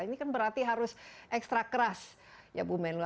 ini kan berarti harus ekstra keras ya bu menlu